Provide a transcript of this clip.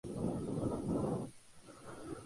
Terminó cuarto en la general.